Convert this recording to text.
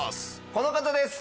この方です。